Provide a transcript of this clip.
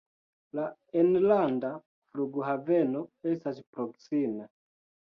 La enlanda flughaveno estas proksime.